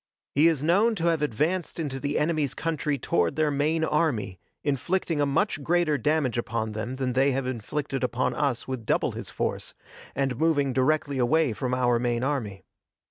He is known to have advanced into the enemy's country toward their main army, inflicting a much greater damage upon them than they have inflicted upon us with double his force, and moving directly away from our main army.